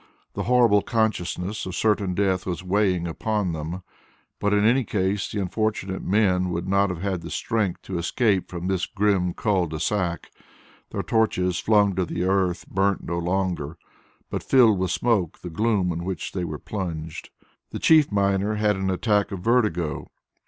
The horrible consciousness of certain death was weighing upon them. But in any case the unfortunate men would not have had the strength to escape from this grim cul de sac. Their torches, flung to the earth, burnt no longer, but filled with smoke the gloom in which they were plunged. The chief miner had an attack of vertigo.